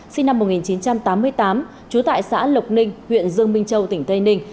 sinh năm một nghìn chín trăm tám mươi tám trú tại xã lộc ninh huyện dương minh châu tỉnh tây ninh